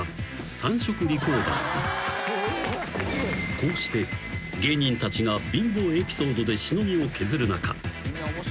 ［こうして芸人たちが貧乏エピソードでしのぎを削る中］